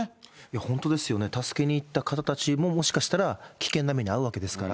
本当ですよね、助けに行った方たちも、もしかしたら、危険な目に遭うわけですから。